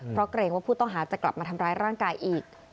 เพราะเกรงว่าผู้ต้องหาจะกลับมาทำร้ายร่างกายอีก